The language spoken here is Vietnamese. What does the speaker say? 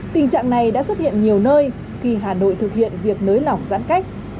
tình trạng này đã xuất hiện nhiều nơi khi hà nội thực hiện việc nới lỏng giãn cách